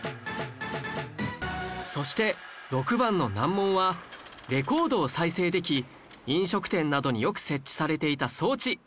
そして６番の難問はレコードを再生でき飲食店などによく設置されていた装置